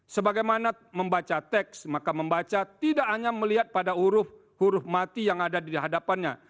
sebagaimana membaca teks maka membaca tidak hanya melihat pada huruf huruf mati yang ada di hadapannya